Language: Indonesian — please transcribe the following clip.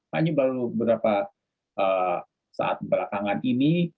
hanya baru beberapa saat belakangan ini